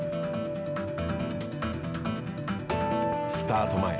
スタート前。